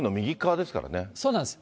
そうなんです。